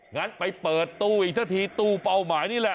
งั้นไปเปิดตู้อีกสักทีตู้เป้าหมายนี่แหละ